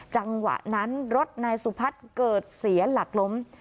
จังหวะนั้นรถนายสุพัฒน์เกิดเสียหลักล้ม